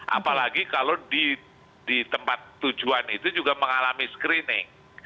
apalagi kalau di tempat tujuan itu juga mengalami screening